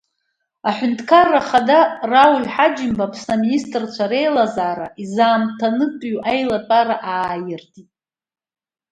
Аҳәынҭқарра Ахада Рауль Ҳаџьымба Аԥсны Аминистрцәа Реилазаара изаамҭанытәиу аилатәара аааиртит…